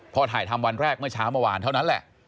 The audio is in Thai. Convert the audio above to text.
พอถ่ายทำวันแรกเมื่อเช้าเมื่อวานเท่านั้นแหละ